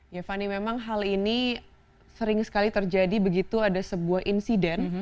ya fani memang hal ini sering sekali terjadi begitu ada sebuah insiden